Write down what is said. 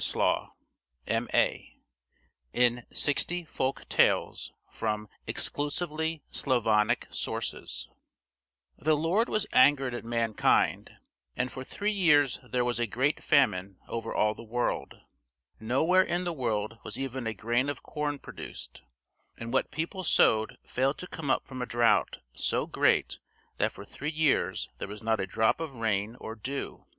"Azhdaja," a dragon, is feminine in Servian.] XV THE GOOD CHILDREN The Lord was angered at mankind, and for three years there was a great famine over all the world; nowhere in the world was even a grain of corn produced, and what people sowed failed to come up from a drought so great that for three years there was not a drop of rain or dew.